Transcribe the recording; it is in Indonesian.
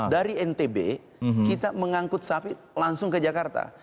dari ntb kita mengangkut sapi langsung ke jakarta